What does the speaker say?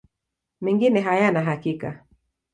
Mengine hayana hakika.